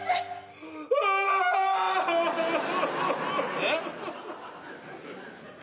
えっ？